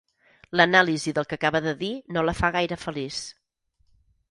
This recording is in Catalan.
L'anàlisi del que acaba de dir no la fa gaire feliç.